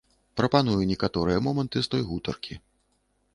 Прапаную некаторыя моманты з той гутаркі.